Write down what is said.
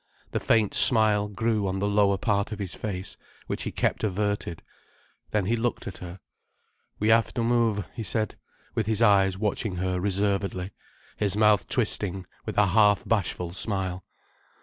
The faint smile grew on the lower part of his face, which he kept averted. Then he looked at her. "We have to move," he said, with his eyes watching her reservedly, his mouth twisting with a half bashful smile.